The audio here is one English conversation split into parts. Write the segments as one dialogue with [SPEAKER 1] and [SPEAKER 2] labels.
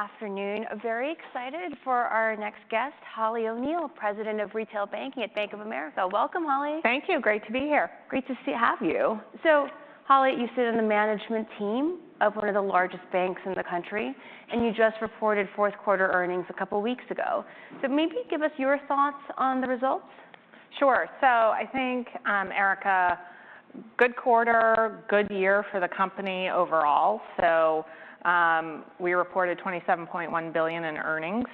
[SPEAKER 1] Afternoon. Very excited for our next guest, Holly O'Neill, President of Retail Banking at Bank of America. Welcome, Holly.
[SPEAKER 2] Thank you. Great to be here.
[SPEAKER 1] Great to have you. So, Holly, you sit on the management team of one of the largest banks in the country, and you just reported fourth quarter earnings a couple of weeks ago. So maybe give us your thoughts on the results.
[SPEAKER 2] Sure, so I think, Erica, good quarter, good year for the company overall, so we reported $27.1 billion in earnings,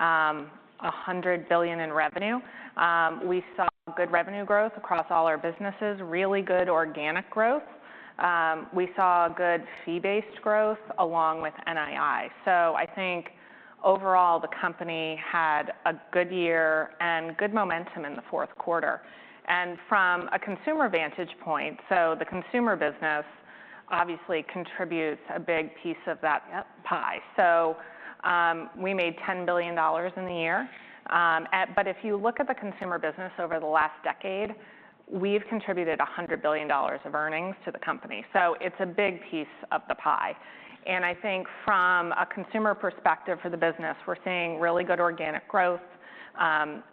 [SPEAKER 2] $100 billion in revenue. We saw good revenue growth across all our businesses, really good organic growth. We saw good fee-based growth along with NII, so I think overall the company had a good year and good momentum in the fourth quarter, and from a consumer vantage point, so the consumer business obviously contributes a big piece of that pie, so we made $10 billion in the year, but if you look at the consumer business over the last decade, we've contributed $100 billion of earnings to the company, so it's a big piece of the pie, and I think from a consumer perspective for the business, we're seeing really good organic growth.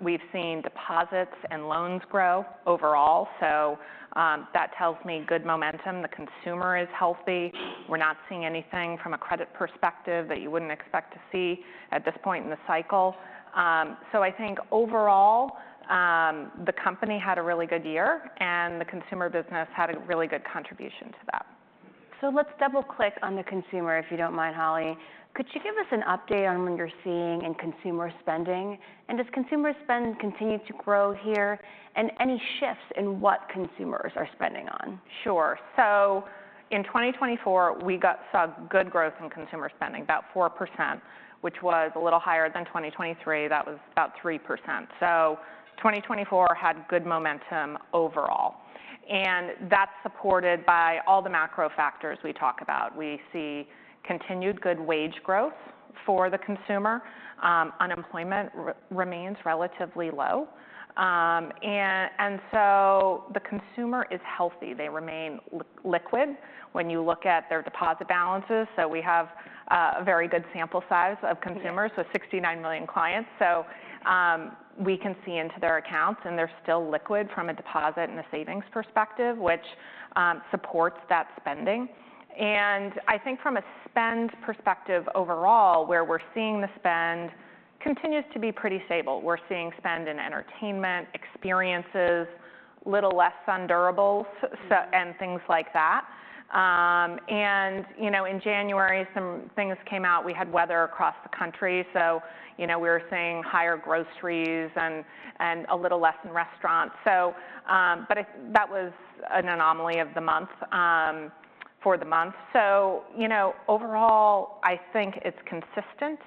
[SPEAKER 2] We've seen deposits and loans grow overall, so that tells me good momentum. The consumer is healthy. We're not seeing anything from a credit perspective that you wouldn't expect to see at this point in the cycle. So I think overall the company had a really good year and the consumer business had a really good contribution to that.
[SPEAKER 1] So let's double-click on the consumer, if you don't mind, Holly. Could you give us an update on what you're seeing in consumer spending? And does consumer spend continue to grow here? And any shifts in what consumers are spending on?
[SPEAKER 2] Sure. So in 2024, we saw good growth in consumer spending, about 4%, which was a little higher than 2023. That was about 3%. So 2024 had good momentum overall. And that's supported by all the macro factors we talk about. We see continued good wage growth for the consumer. Unemployment remains relatively low. And so the consumer is healthy. They remain liquid when you look at their deposit balances. So we have a very good sample size of consumers, so 69 million clients. So we can see into their accounts and they're still liquid from a deposit and a savings perspective, which supports that spending. And I think from a spend perspective overall, where we're seeing the spend continues to be pretty stable. We're seeing spend in entertainment, experiences, a little less on durables and things like that. And in January, some things came out. We had weather across the country. So we were seeing higher groceries and a little less in restaurants. But that was an anomaly for the month. So overall, I think it's consistent.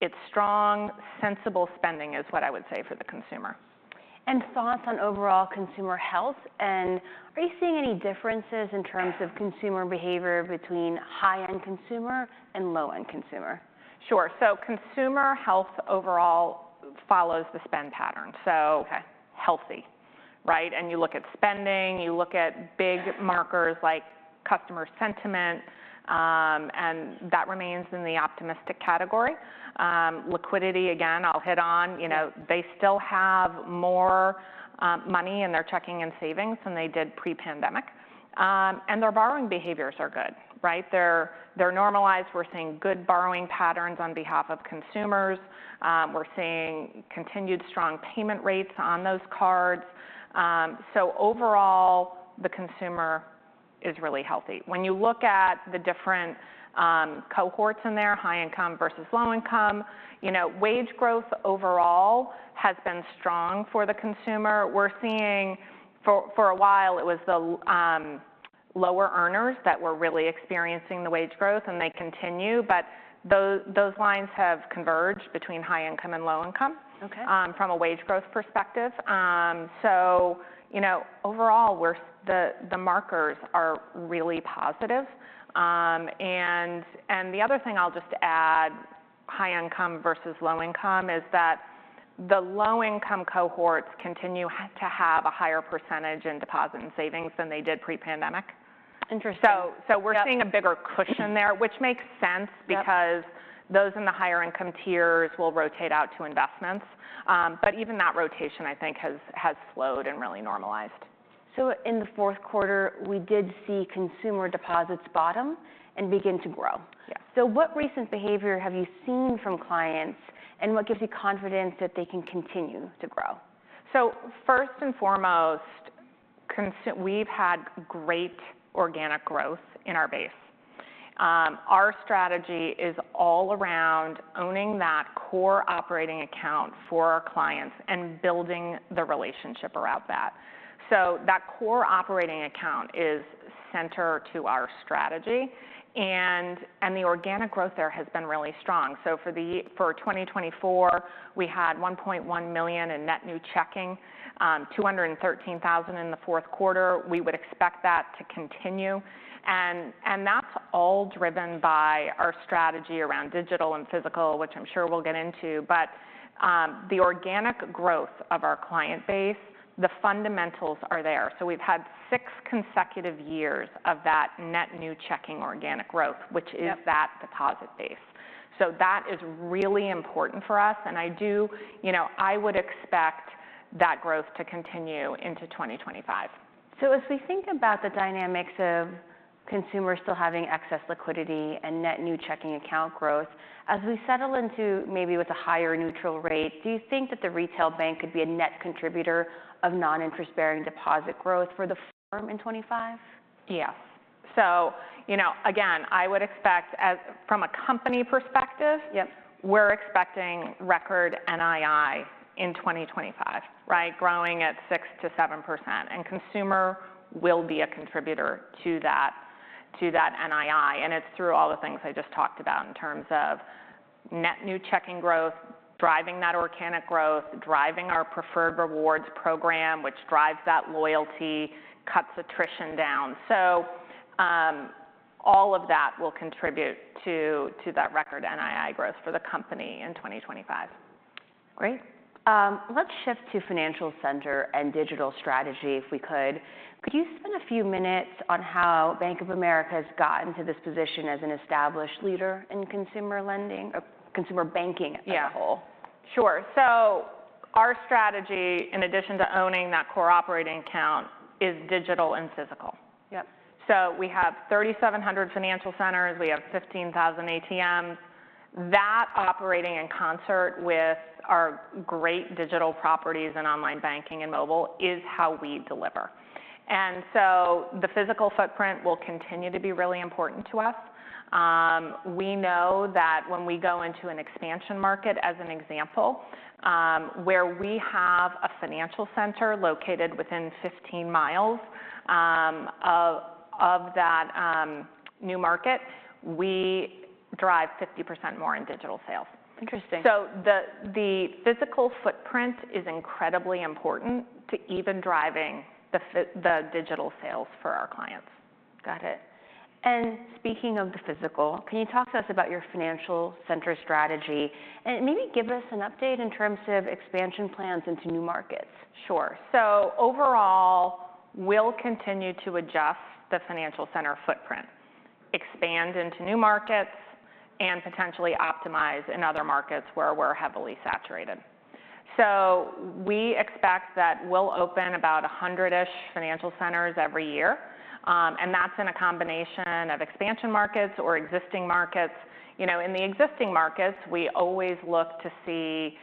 [SPEAKER 2] It's strong. Sensible spending is what I would say for the consumer.
[SPEAKER 1] Thoughts on overall consumer health? Are you seeing any differences in terms of consumer behavior between high-end consumer and low-end consumer?
[SPEAKER 2] Sure. So consumer health overall follows the spend pattern. So healthy, right? And you look at spending, you look at big markers like customer sentiment, and that remains in the optimistic category. Liquidity, again, I'll hit on. They still have more money in their checking and savings than they did pre-pandemic. And their borrowing behaviors are good, right? They're normalized. We're seeing good borrowing patterns on behalf of consumers. We're seeing continued strong payment rates on those cards. So overall, the consumer is really healthy. When you look at the different cohorts in there, high income versus low income, wage growth overall has been strong for the consumer. We're seeing for a while it was the lower earners that were really experiencing the wage growth, and they continue, but those lines have converged between high income and low income from a wage growth perspective. Overall, the markers are really positive. The other thing I'll just add, high income versus low income is that the low income cohorts continue to have a higher percentage in deposit and savings than they did pre-pandemic.
[SPEAKER 1] Interesting.
[SPEAKER 2] So we're seeing a bigger cushion there, which makes sense because those in the higher income tiers will rotate out to investments. But even that rotation, I think, has slowed and really normalized.
[SPEAKER 1] So in the fourth quarter, we did see consumer deposits bottom and begin to grow.
[SPEAKER 2] Yes.
[SPEAKER 1] So what recent behavior have you seen from clients and what gives you confidence that they can continue to grow?
[SPEAKER 2] First and foremost, we've had great organic growth in our base. Our strategy is all around owning that core operating account for our clients and building the relationship around that. That core operating account is center to our strategy. The organic growth there has been really strong. For 2024, we had 1.1 million in net new checking, 213,000 in the fourth quarter. We would expect that to continue. That's all driven by our strategy around digital and physical, which I'm sure we'll get into. The organic growth of our client base, the fundamentals are there. We've had six consecutive years of that net new checking organic growth, which is that deposit base. That is really important for us. I would expect that growth to continue into 2025.
[SPEAKER 1] So as we think about the dynamics of consumers still having excess liquidity and net new checking account growth, as we settle into maybe with a higher neutral rate, do you think that the Retail Bank could be a net contributor of non-interest-bearing deposit growth for the firm in 2025?
[SPEAKER 2] Yes. So again, I would expect from a company perspective, we're expecting record NII in 2025, right, growing at 6%-7%. And consumer will be a contributor to that NII. And it's through all the things I just talked about in terms of net new checking growth, driving that organic growth, driving our Preferred Rewards program, which drives that loyalty, cuts attrition down. So all of that will contribute to that record NII growth for the company in 2025.
[SPEAKER 1] Great. Let's shift to financial center and digital strategy if we could. Could you spend a few minutes on how Bank of America has gotten to this position as an established leader in consumer lending or consumer banking as a whole?
[SPEAKER 2] Sure. So our strategy, in addition to owning that core operating account, is digital and physical. So we have 3,700 financial centers. We have 15,000 ATMs. That operating in concert with our great digital properties and online banking and mobile is how we deliver. And so the physical footprint will continue to be really important to us. We know that when we go into an expansion market, as an example, where we have a financial center located within 15 mi of that new market, we drive 50% more in digital sales.
[SPEAKER 1] Interesting.
[SPEAKER 2] So the physical footprint is incredibly important to even driving the digital sales for our clients.
[SPEAKER 1] Got it. And speaking of the physical, can you talk to us about your financial center strategy and maybe give us an update in terms of expansion plans into new markets?
[SPEAKER 2] Sure. So overall, we'll continue to adjust the financial center footprint, expand into new markets, and potentially optimize in other markets where we're heavily saturated. So we expect that we'll open about 100-ish financial centers every year. And that's in a combination of expansion markets or existing markets. In the existing markets, we always look to see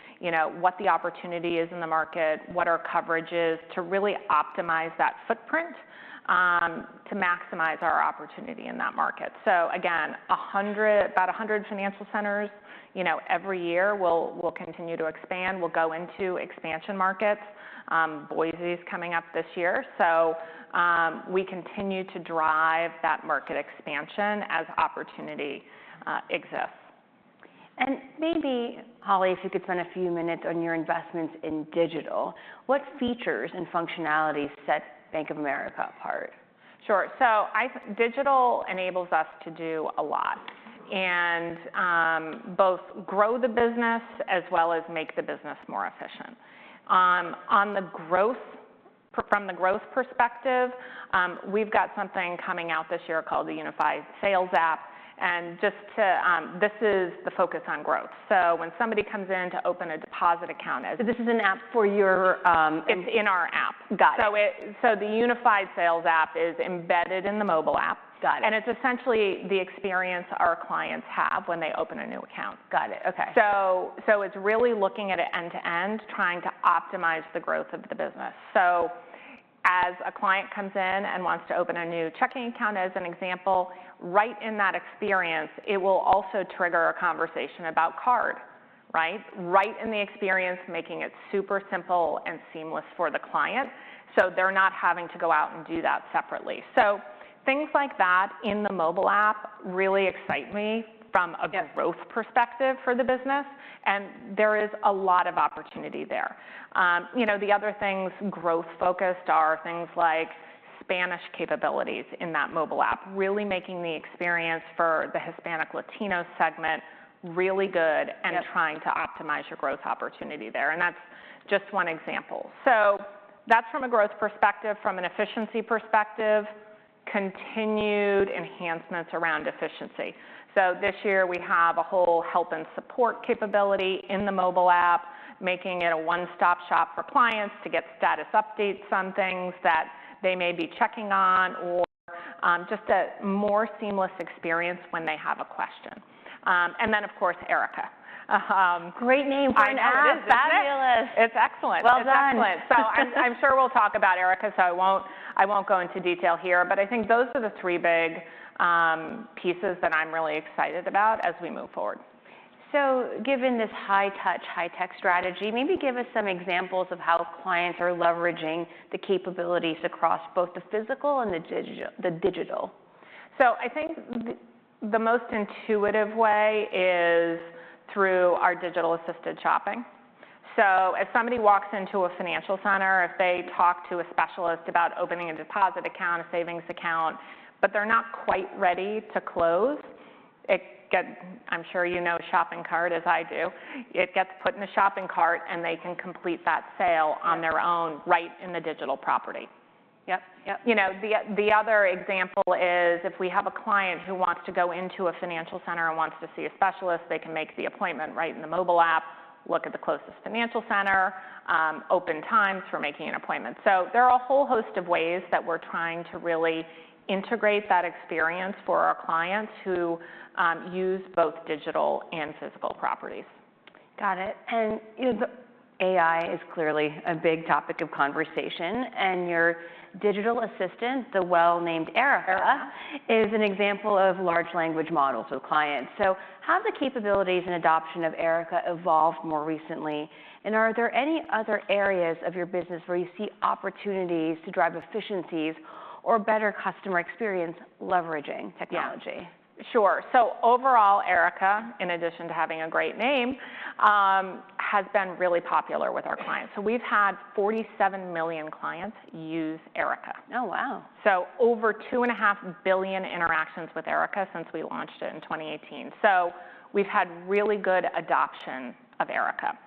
[SPEAKER 2] what the opportunity is in the market, what our coverage is to really optimize that footprint to maximize our opportunity in that market. So again, about 100 financial centers every year. We'll continue to expand. We'll go into expansion markets. Boise's coming up this year. So we continue to drive that market expansion as opportunity exists.
[SPEAKER 1] Maybe, Holly, if you could spend a few minutes on your investments in digital, what features and functionalities set Bank of America apart?
[SPEAKER 2] Sure. So digital enables us to do a lot and both grow the business as well as make the business more efficient. From the growth perspective, we've got something coming out this year called the Unified Sales App. And this is the focus on growth. So when somebody comes in to open a deposit account.
[SPEAKER 1] This is an app for your.
[SPEAKER 2] It's in our app.
[SPEAKER 1] Got it.
[SPEAKER 2] So the Unified Sales App is embedded in the mobile app, and it's essentially the experience our clients have when they open a new account.
[SPEAKER 1] Got it. Okay.
[SPEAKER 2] So it's really looking at it end to end, trying to optimize the growth of the business. So as a client comes in and wants to open a new checking account, as an example, right in that experience, it will also trigger a conversation about card, right? Right in the experience, making it super simple and seamless for the client so they're not having to go out and do that separately. So things like that in the mobile app really excite me from a growth perspective for the business. And there is a lot of opportunity there. The other things growth-focused are things like Spanish capabilities in that mobile app, really making the experience for the Hispanic-Latino segment really good and trying to optimize your growth opportunity there. And that's just one example. So that's from a growth perspective. From an efficiency perspective, continued enhancements around efficiency. So this year we have a whole help and support capability in the mobile app, making it a one-stop shop for clients to get status updates on things that they may be checking on or just a more seamless experience when they have a question. And then, of course, Erica.
[SPEAKER 1] Great name.
[SPEAKER 2] I know.
[SPEAKER 1] Fabulous.
[SPEAKER 2] It's excellent.
[SPEAKER 1] Well done.
[SPEAKER 2] So I'm sure we'll talk about Erica, so I won't go into detail here. But I think those are the three big pieces that I'm really excited about as we move forward.
[SPEAKER 1] So given this high-touch, high-tech strategy, maybe give us some examples of how clients are leveraging the capabilities across both the physical and the digital?
[SPEAKER 2] So I think the most intuitive way is through our digital-assisted shopping. So if somebody walks into a financial center, if they talk to a specialist about opening a deposit account, a savings account, but they're not quite ready to close, I'm sure you know shopping cart as I do. It gets put in a shopping cart and they can complete that sale on their own right in the digital property.
[SPEAKER 1] Yep. Yep.
[SPEAKER 2] The other example is if we have a client who wants to go into a financial center and wants to see a specialist. They can make the appointment right in the mobile app, look at the closest financial center, open times for making an appointment. So there are a whole host of ways that we're trying to really integrate that experience for our clients who use both digital and physical properties.
[SPEAKER 1] Got it. And AI is clearly a big topic of conversation. And your digital assistant, the well-named Erica, is an example of large language models with clients. So how have the capabilities and adoption of Erica evolved more recently? And are there any other areas of your business where you see opportunities to drive efficiencies or better customer experience leveraging technology?
[SPEAKER 2] Sure. So overall, Erica, in addition to having a great name, has been really popular with our clients. So we've had 47 million clients use Erica.
[SPEAKER 1] Oh, wow.
[SPEAKER 2] So over 2.5 billion interactions with Erica since we launched it in 2018. So we've had really good adoption of Erica.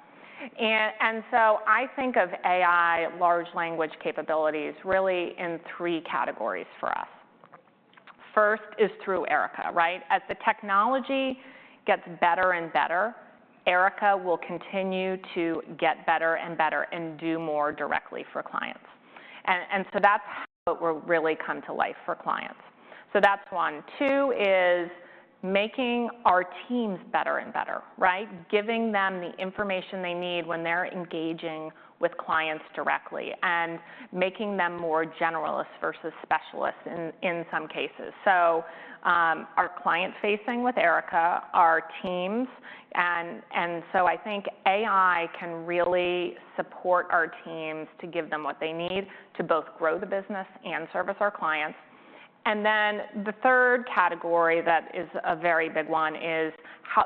[SPEAKER 2] And so I think of AI, large language capabilities, really in three categories for us. First is through Erica, right? As the technology gets better and better, Erica will continue to get better and better and do more directly for clients. And so that's how it will really come to life for clients. So that's one. Two is making our teams better and better, right? Giving them the information they need when they're engaging with clients directly and making them more generalists versus specialists in some cases. So our clients facing with Erica, our teams. And so I think AI can really support our teams to give them what they need to both grow the business and service our clients. And then the third category that is a very big one is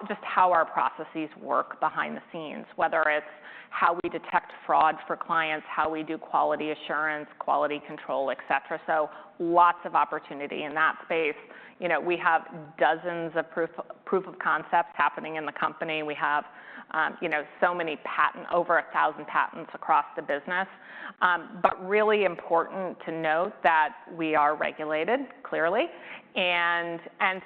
[SPEAKER 2] just how our processes work behind the scenes, whether it's how we detect fraud for clients, how we do quality assurance, quality control, et cetera. So lots of opportunity in that space. We have dozens of proof of concepts happening in the company. We have so many patents, over 1,000 patents across the business. But really important to note that we are regulated clearly. And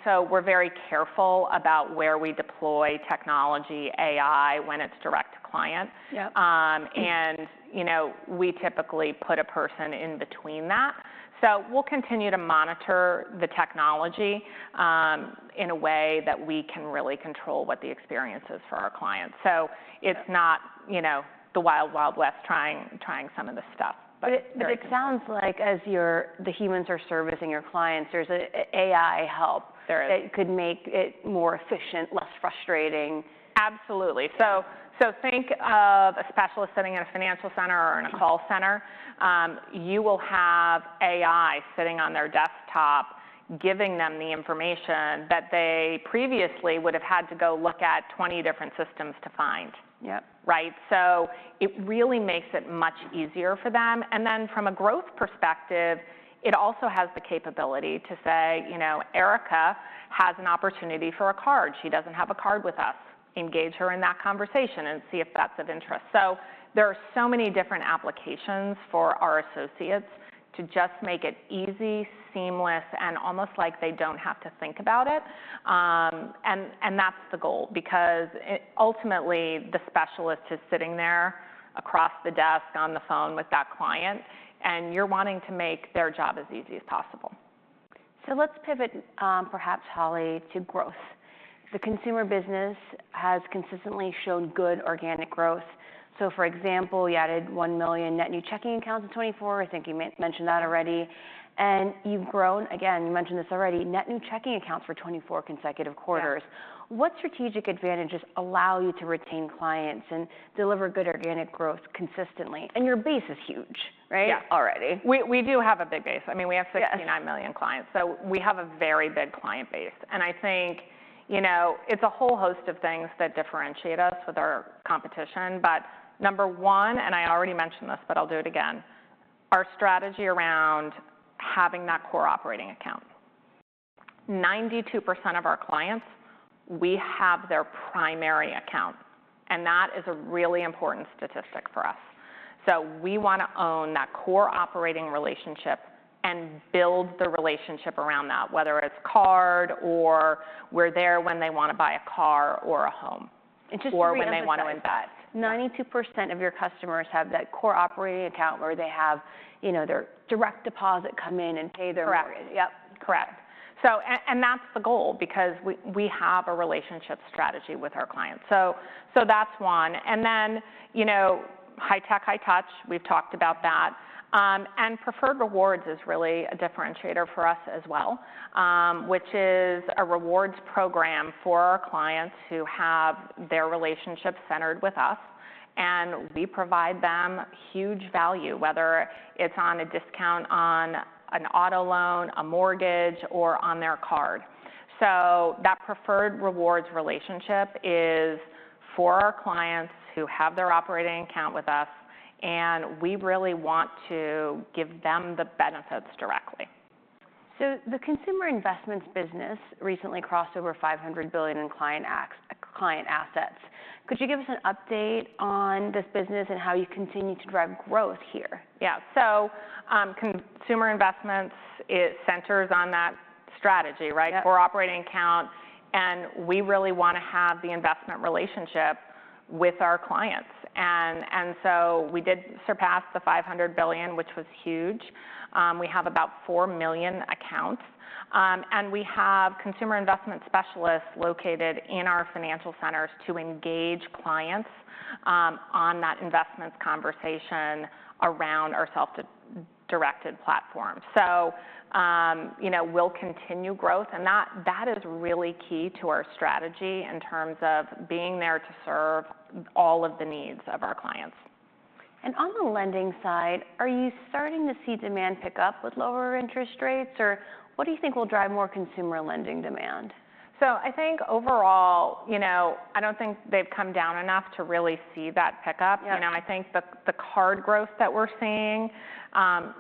[SPEAKER 2] so we're very careful about where we deploy technology, AI, when it's direct to client. And we typically put a person in between that. So we'll continue to monitor the technology in a way that we can really control what the experience is for our clients. So it's not the wild, wild west trying some of this stuff.
[SPEAKER 1] But it sounds like as the humans are servicing your clients, there's AI help that could make it more efficient, less frustrating.
[SPEAKER 2] Absolutely. So think of a specialist sitting in a financial center or in a call center. You will have AI sitting on their desktop, giving them the information that they previously would have had to go look at 20 different systems to find, right? So it really makes it much easier for them. And then from a growth perspective, it also has the capability to say, "Erica has an opportunity for a card. She doesn't have a card with us. Engage her in that conversation and see if that's of interest." So there are so many different applications for our associates to just make it easy, seamless, and almost like they don't have to think about it. And that's the goal because ultimately the specialist is sitting there across the desk on the phone with that client, and you're wanting to make their job as easy as possible.
[SPEAKER 1] So let's pivot perhaps, Holly, to growth. The consumer business has consistently shown good organic growth. So for example, you added one million net new checking accounts in 2024. I think you mentioned that already. And you've grown, again, you mentioned this already, net new checking accounts for 24 consecutive quarters. What strategic advantages allow you to retain clients and deliver good organic growth consistently? And your base is huge, right?
[SPEAKER 2] Yeah.
[SPEAKER 1] Already.
[SPEAKER 2] We do have a big base. I mean, we have 69 million clients. So we have a very big client base, and I think it's a whole host of things that differentiate us with our competition, but number one, and I already mentioned this, but I'll do it again, our strategy around having that core operating account. 92% of our clients, we have their primary account, and that is a really important statistic for us, so we want to own that core operating relationship and build the relationship around that, whether it's card or we're there when they want to buy a car or a home or when they want to invest.
[SPEAKER 1] 92% of your customers have that core operating account where they have their direct deposit come in and pay their mortgage.
[SPEAKER 2] Correct. Yep. Correct. And that's the goal because we have a relationship strategy with our clients. So that's one. And then high-tech, high-touch, we've talked about that. And Preferred Rewards is really a differentiator for us as well, which is a rewards program for our clients who have their relationship centered with us. And we provide them huge value, whether it's on a discount on an auto loan, a mortgage, or on their card. So that Preferred Rewards relationship is for our clients who have their operating account with us, and we really want to give them the benefits directly.
[SPEAKER 1] The Consumer Investments business recently crossed over $500 billion in client assets. Could you give us an update on this business and how you continue to drive growth here?
[SPEAKER 2] Yeah. So Consumer Investments, it centers on that strategy, right? Core operating account. And we really want to have the investment relationship with our clients. And so we did surpass the $500 billion, which was huge. We have about four million accounts. And we have Consumer Investment specialists located in our financial centers to engage clients on that investments conversation around our self-directed platform. So we'll continue growth. And that is really key to our strategy in terms of being there to serve all of the needs of our clients.
[SPEAKER 1] On the lending side, are you starting to see demand pick up with lower interest rates, or what do you think will drive more consumer lending demand?
[SPEAKER 2] I think overall, I don't think they've come down enough to really see that pick up. I think the card growth that we're seeing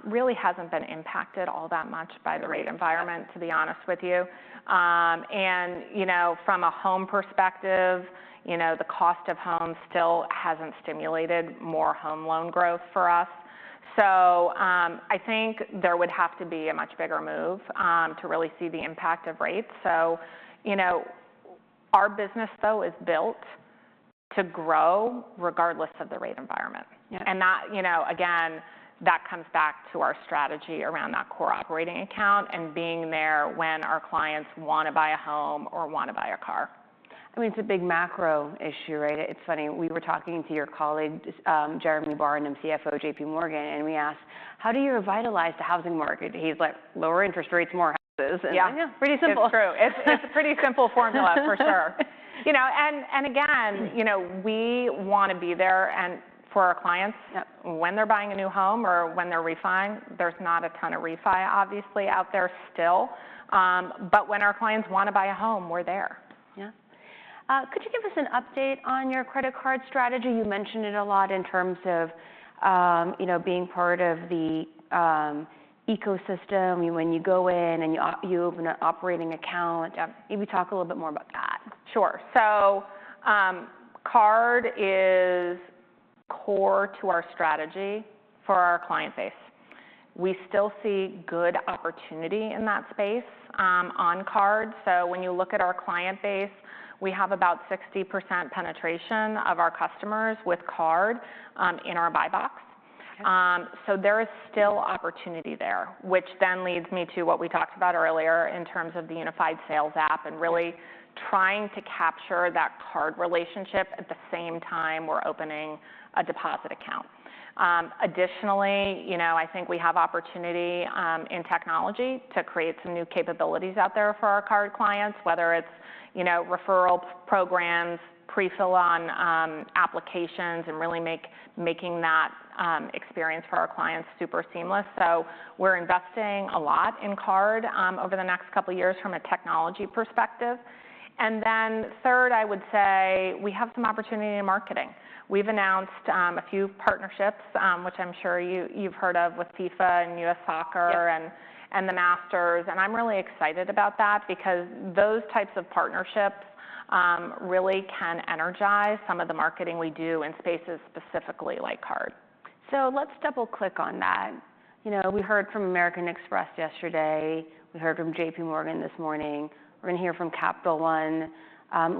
[SPEAKER 2] really hasn't been impacted all that much by the rate environment, to be honest with you. From a home perspective, the cost of home still hasn't stimulated more home loan growth for us. I think there would have to be a much bigger move to really see the impact of rates. Our business, though, is built to grow regardless of the rate environment. Again, that comes back to our strategy around that core operating account and being there when our clients want to buy a home or want to buy a car.
[SPEAKER 1] I mean, it's a big macro issue, right? It's funny. We were talking to your colleague, Jeremy Barnum, CFO, JPMorgan, and we asked, "How do you revitalize the housing market?" He's like, "Lower interest rates, more houses." And yeah, pretty simple.
[SPEAKER 2] It's true. It's a pretty simple formula, for sure. And again, we want to be there for our clients when they're buying a new home or when they're refinancing. There's not a ton of refi, obviously, out there still. But when our clients want to buy a home, we're there.
[SPEAKER 1] Yeah. Could you give us an update on your credit card strategy? You mentioned it a lot in terms of being part of the ecosystem. When you go in and you open an operating account, maybe talk a little bit more about that.
[SPEAKER 2] Sure. So card is core to our strategy for our client base. We still see good opportunity in that space on card. So when you look at our client base, we have about 60% penetration of our customers with card in our buy box. So there is still opportunity there, which then leads me to what we talked about earlier in terms of the Unified Sales App and really trying to capture that card relationship at the same time we're opening a deposit account. Additionally, I think we have opportunity in technology to create some new capabilities out there for our card clients, whether it's referral programs, pre-fill on applications, and really making that experience for our clients super seamless. So we're investing a lot in card over the next couple of years from a technology perspective. And then third, I would say we have some opportunity in marketing. We've announced a few partnerships, which I'm sure you've heard of with FIFA and U.S. Soccer and the Masters, and I'm really excited about that because those types of partnerships really can energize some of the marketing we do in spaces specifically like card.
[SPEAKER 1] So let's double-click on that. We heard from American Express yesterday. We heard from JPMorgan this morning. We're going to hear from Capital One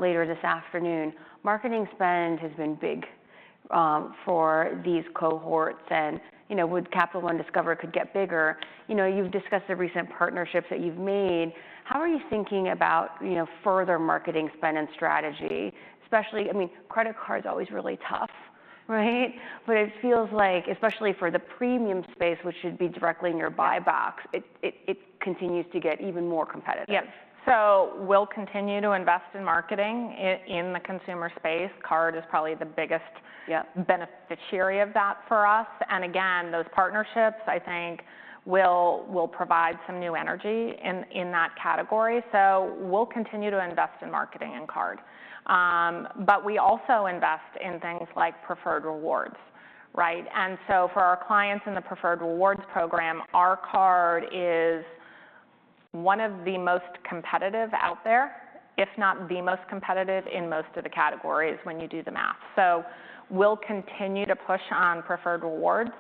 [SPEAKER 1] later this afternoon. Marketing spend has been big for these cohorts. And with Capital One Discover could get bigger. You've discussed the recent partnerships that you've made. How are you thinking about further marketing spend and strategy? I mean, credit card is always really tough, right? But it feels like, especially for the premium space, which should be directly in your buy box, it continues to get even more competitive.
[SPEAKER 2] Yes. So we'll continue to invest in marketing in the consumer space. Card is probably the biggest beneficiary of that for us. And again, those partnerships, I think, will provide some new energy in that category. So we'll continue to invest in marketing and card. But we also invest in things like Preferred Rewards, right? And so for our clients in the Preferred Rewards program, our card is one of the most competitive out there, if not the most competitive in most of the categories when you do the math. So we'll continue to push on Preferred Rewards.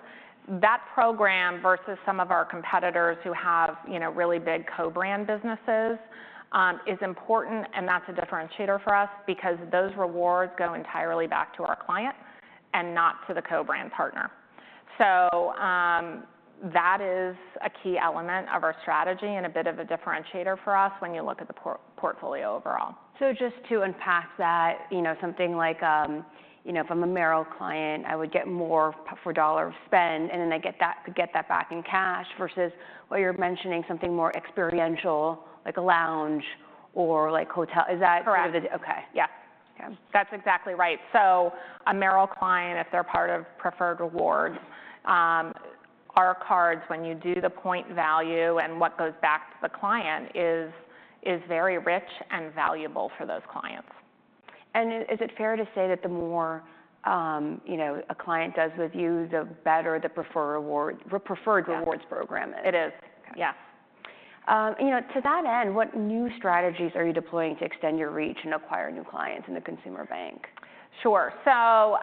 [SPEAKER 2] That program versus some of our competitors who have really big co-brand businesses is important. And that's a differentiator for us because those rewards go entirely back to our client and not to the co-brand partner. So that is a key element of our strategy and a bit of a differentiator for us when you look at the portfolio overall.
[SPEAKER 1] Just to unpack that, something like if I'm a Merrill client, I would get more for dollar spend, and then I could get that back in cash versus, well, you're mentioning something more experiential, like a lounge or like hotel. Is that sort of the?
[SPEAKER 2] Correct.
[SPEAKER 1] Okay.
[SPEAKER 2] Yeah. That's exactly right. So a Merrill client, if they're part of Preferred Rewards, our cards, when you do the point value and what goes back to the client, is very rich and valuable for those clients.
[SPEAKER 1] Is it fair to say that the more a client does with you, the better the Preferred Rewards program is?
[SPEAKER 2] It is. Yes.
[SPEAKER 1] To that end, what new strategies are you deploying to extend your reach and acquire new clients in the consumer bank?
[SPEAKER 2] Sure. So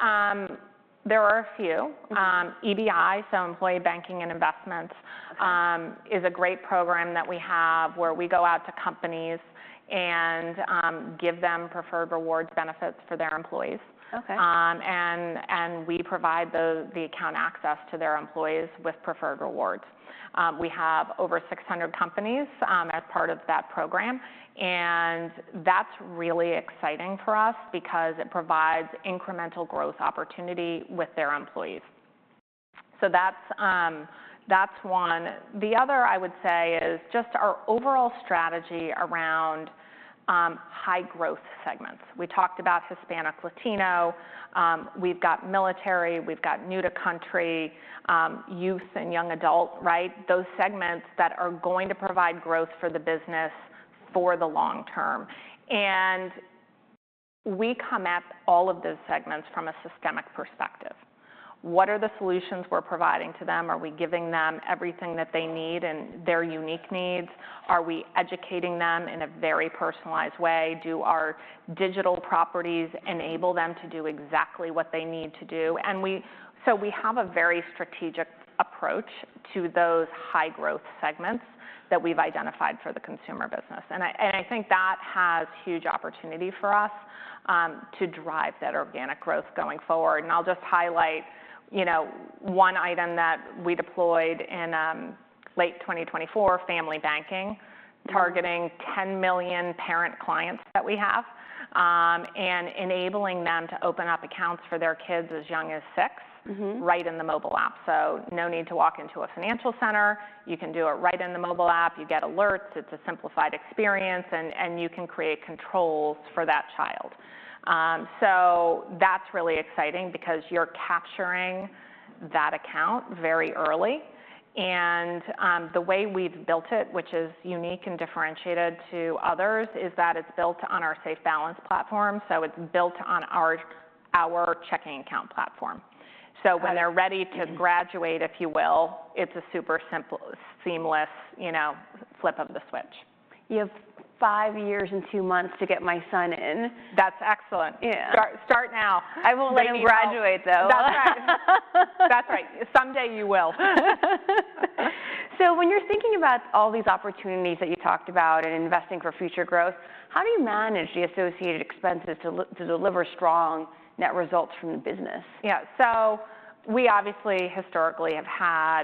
[SPEAKER 2] there are a few. EBI, so Employee Banking and Investments, is a great program that we have where we go out to companies and give them Preferred Rewards benefits for their employees. And we provide the account access to their employees with Preferred Rewards. We have over 600 companies as part of that program. And that's really exciting for us because it provides incremental growth opportunity with their employees. So that's one. The other, I would say, is just our overall strategy around high growth segments. We talked about Hispanic-Latino. We've got military. We've got new-to-country, youth, and young adult, right? Those segments that are going to provide growth for the business for the long term. And we come at all of those segments from a systemic perspective. What are the solutions we're providing to them? Are we giving them everything that they need and their unique needs? Are we educating them in a very personalized way? Do our digital properties enable them to do exactly what they need to do, and so we have a very strategic approach to those high growth segments that we've identified for the consumer business, and I think that has huge opportunity for us to drive that organic growth going forward, and I'll just highlight one item that we deployed in late 2024, Family Banking, targeting 10 million parent clients that we have and enabling them to open up accounts for their kids as young as six, right in the mobile app, so no need to walk into a financial center. You can do it right in the mobile app. You get alerts. It's a simplified experience, and you can create controls for that child. That's really exciting because you're capturing that account very early. And the way we've built it, which is unique and differentiated to others, is that it's built on our SafeBalance platform. So it's built on our checking account platform. So when they're ready to graduate, if you will, it's a super seamless flip of the switch.
[SPEAKER 1] You have five years and two months to get my son in.
[SPEAKER 2] That's excellent. Start now.
[SPEAKER 1] I won't let him graduate, though.
[SPEAKER 2] That's right. That's right. Someday you will.
[SPEAKER 1] So when you're thinking about all these opportunities that you talked about and investing for future growth, how do you manage the associated expenses to deliver strong net results from the business?
[SPEAKER 2] Yeah. So we obviously, historically, have had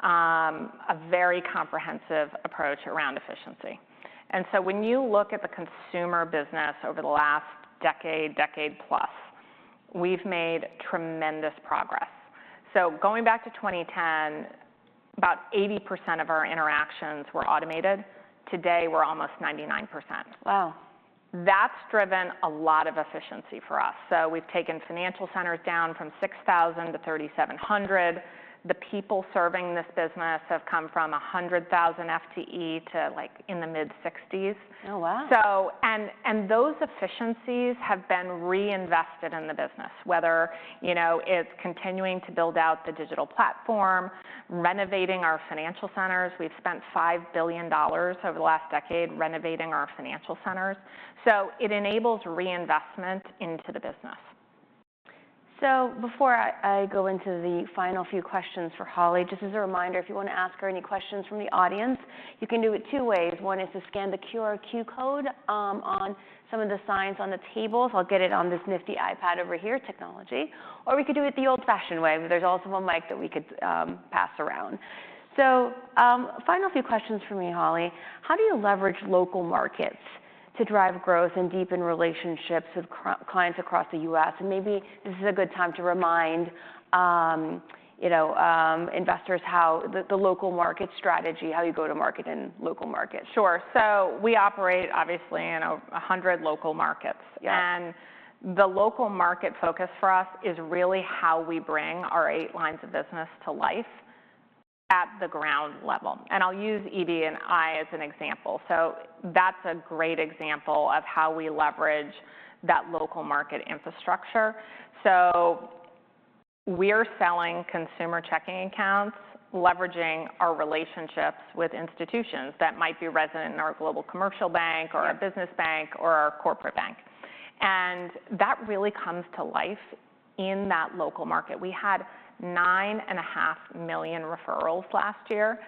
[SPEAKER 2] a very comprehensive approach around efficiency. And so when you look at the consumer business over the last decade, decade plus, we've made tremendous progress. So going back to 2010, about 80% of our interactions were automated. Today, we're almost 99%.
[SPEAKER 1] Wow.
[SPEAKER 2] That's driven a lot of efficiency for us. So we've taken financial centers down from 6,000 to 3,700. The people serving this business have come from 100,000 FTE to in the mid-60s.
[SPEAKER 1] Oh, wow.
[SPEAKER 2] Those efficiencies have been reinvested in the business, whether it's continuing to build out the digital platform, renovating our financial centers. We've spent $5 billion over the last decade renovating our financial centers. It enables reinvestment into the business.
[SPEAKER 1] So before I go into the final few questions for Holly, just as a reminder, if you want to ask her any questions from the audience, you can do it two ways. One is to scan the QR code on some of the signs on the tables. I'll get it on this nifty iPad over here, technology. Or we could do it the old-fashioned way. There's also a mic that we could pass around. So final few questions for me, Holly. How do you leverage local markets to drive growth and deepen relationships with clients across the U.S.? And maybe this is a good time to remind investors how the local market strategy, how you go to market in local markets.
[SPEAKER 2] Sure. So we operate, obviously, in 100 local markets. And the local market focus for us is really how we bring our eight lines of business to life at the ground level. And I'll use EBI as an example. So that's a great example of how we leverage that local market infrastructure. So we are selling consumer checking accounts, leveraging our relationships with institutions that might be resident in our Global Commercial Bank or our Business Bank or our Corporate Bank. And that really comes to life in that local market. We had 9.5 million referrals last year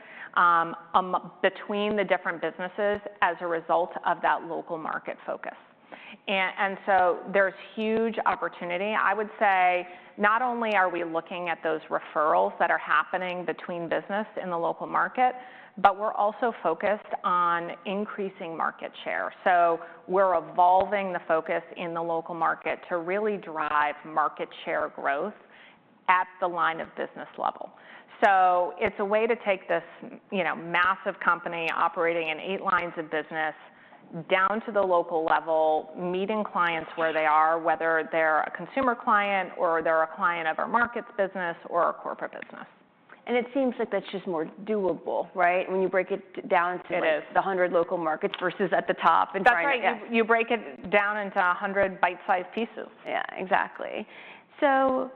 [SPEAKER 2] between the different businesses as a result of that local market focus. And so there's huge opportunity. I would say not only are we looking at those referrals that are happening between business in the local market, but we're also focused on increasing market share. We're evolving the focus in the local market to really drive market share growth at the line of business level. It's a way to take this massive company operating in eight lines of business down to the local level, meeting clients where they are, whether they're a consumer client or they're a client of our markets business or our corporate business.
[SPEAKER 1] It seems like that's just more doable, right, when you break it down to the 100 local markets versus at the top and trying to.
[SPEAKER 2] That's right. You break it down into 100 bite-sized pieces.
[SPEAKER 1] Yeah, exactly. So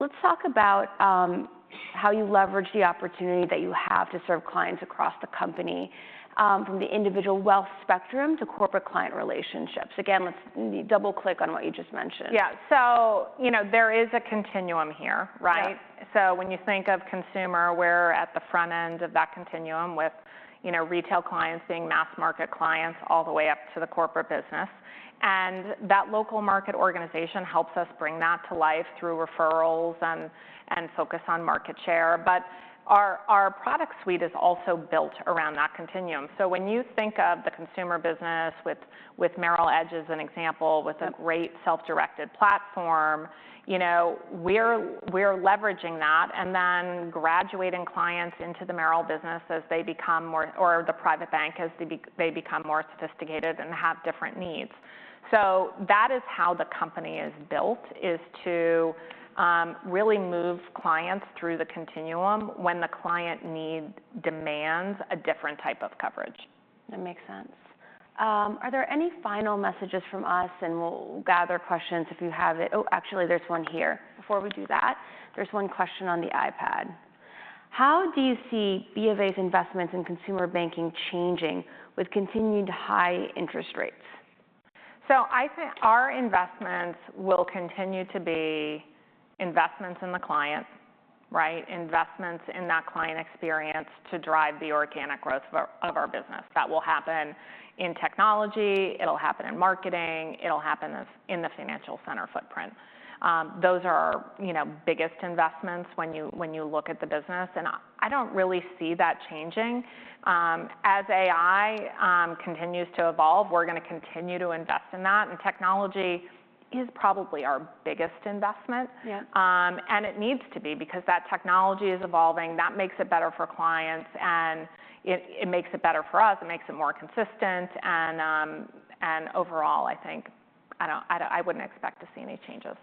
[SPEAKER 1] let's talk about how you leverage the opportunity that you have to serve clients across the company, from the individual wealth spectrum to corporate client relationships. Again, let's double-click on what you just mentioned.
[SPEAKER 2] Yeah. So there is a continuum here, right? So when you think of consumer, we're at the front end of that continuum with retail clients being mass market clients all the way up to the corporate business. And that local market organization helps us bring that to life through referrals and focus on market share. But our product suite is also built around that continuum. So when you think of the consumer business with Merrill Edge as an example, with a great self-directed platform, we're leveraging that and then graduating clients into the Merrill business as they become more or the Private Bank as they become more sophisticated and have different needs. So that is how the company is built, is to really move clients through the continuum when the client need demands a different type of coverage.
[SPEAKER 1] That makes sense. Are there any final messages from us, and we'll gather questions if you have it. Oh, actually, there's one here. Before we do that, there's one question on the iPad. How do you see BofA's investments in consumer banking changing with continued high interest rates?
[SPEAKER 2] So I think our investments will continue to be investments in the client, right? Investments in that client experience to drive the organic growth of our business. That will happen in technology. It'll happen in marketing. It'll happen in the financial center footprint. Those are our biggest investments when you look at the business. And I don't really see that changing. As AI continues to evolve, we're going to continue to invest in that. And technology is probably our biggest investment. And it needs to be because that technology is evolving. That makes it better for clients. And it makes it better for us. It makes it more consistent. And overall, I think I wouldn't expect to see any changes.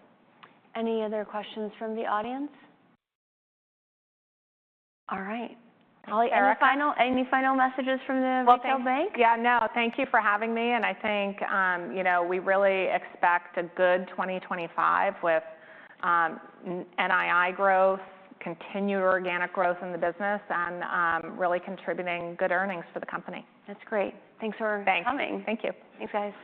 [SPEAKER 1] Any other questions from the audience? All right. Holly, any final messages from the Retail Bank?
[SPEAKER 2] Yeah. No, thank you for having me, and I think we really expect a good 2025 with NII growth, continued organic growth in the business, and really contributing good earnings for the company.
[SPEAKER 1] That's great. Thanks for coming.
[SPEAKER 2] Thank you.
[SPEAKER 1] Thanks, guys.